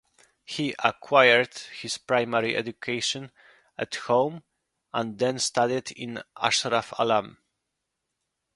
He acquired his primary education at home and then studied with Ashraf Alam.